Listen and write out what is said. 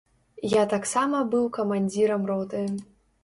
Я таксама быў камандзірам роты.